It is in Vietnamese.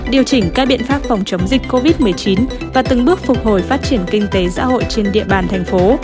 điều chỉnh các biện pháp phòng chống dịch covid một mươi chín và từng bước phục hồi phát triển kinh tế xã hội trên địa bàn thành phố